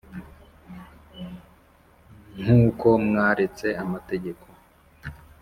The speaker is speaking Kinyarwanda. nkuko mwaretse amategeko